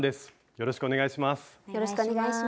よろしくお願いします。